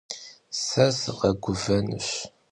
Se sıkheguvenuş.